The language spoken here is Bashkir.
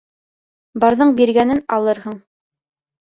Барҙың биргәнен алырһың